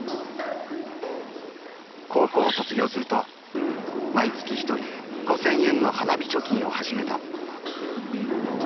高校を卒業すると毎月一人５，０００円の花火貯金を始めた。